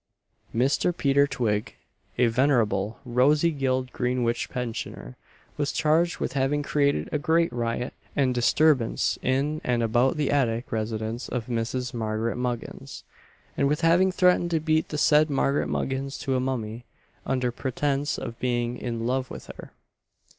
Mr. Peter Twig a venerable, rosy gilled Greenwich pensioner, was charged with having created a great riot and disturbance in and about the attic residence of Mrs. Margaret Muggins; and with having threatened to beat the said Margaret Muggins to a mummy, under pretence of being in love with her.